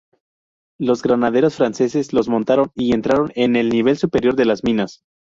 Los granaderos franceses los mataron y entraron en el nivel superior de las minas.